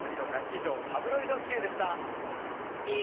以上、タブロイドＱでした。